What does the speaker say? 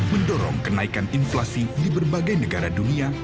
mendorong kenaikan inflasi di berbagai negara dunia